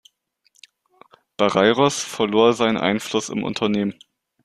Barreiros verlor seinen Einfluss im Unternehmen.